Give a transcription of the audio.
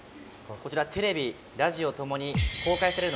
こちらテレビラジオともに公開されるの初めて。